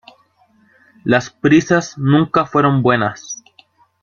Las prisas nunca fueron buenas